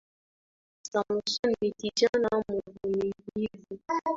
Samson ni kijana mvumilivu